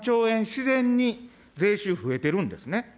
自然に税収増えてるんですね。